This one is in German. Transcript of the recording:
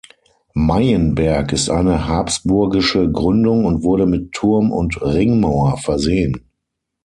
Meienberg ist eine habsburgische Gründung und wurde mit Turm und Ringmauer versehen.